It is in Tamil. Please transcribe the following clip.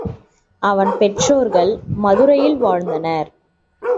அவன் பெற்றோர்கள் மதுரையில் வாழ்ந்தனர்.